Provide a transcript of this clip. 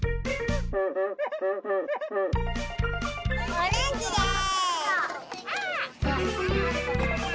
オレンジです！